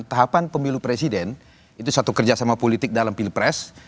tahapan pemilu presiden itu satu kerjasama politik dalam pilpres